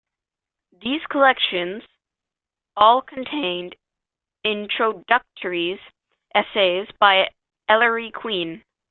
These collections all contained introductory essays by Ellery Queen.